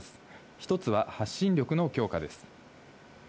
１つは発信力の強化です。